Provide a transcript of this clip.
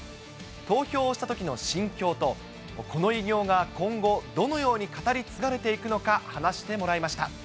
投票したときの心境と、この偉業が今後、どのように語り継がれていくのか話してもらいました。